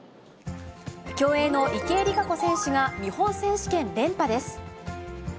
競泳の池江璃花子選手が、日本選手権連覇です。